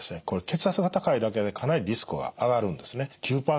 これ血圧が高いだけでかなりリスクは上がるんですね。